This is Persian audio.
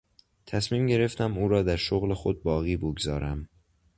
تصمیم گرفتم او را در شغل خود باقی بگذارم.